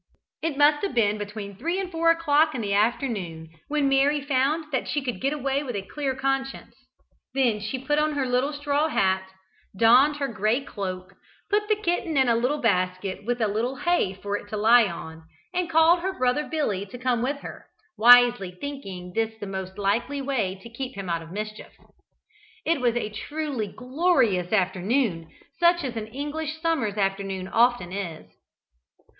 It must have been between three and four o'clock in the afternoon when Mary found that she could get away with a clear conscience. Then she put on her little straw hat, donned her grey cloak, put the kitten in a little basket with a little hay for it to lie on, and called her brother Billy to come with her, wisely thinking this the most likely way to keep him out of mischief. It was a truly glorious afternoon, such as an English summer's afternoon often is.